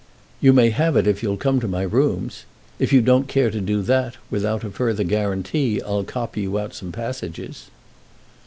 "You may have it if you'll come to my rooms. If you don't care to do that without a further guarantee I'll copy you out some passages."